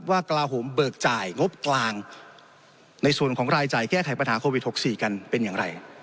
กลาโหมเบิกจ่ายงบกลางในส่วนของรายจ่ายแก้ไขปัญหาโควิด๖๔กันเป็นอย่างไร